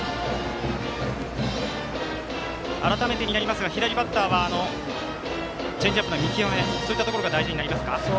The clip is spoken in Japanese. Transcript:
改めて、左バッターはチェンジアップの見極めそういったところが大事になりますか。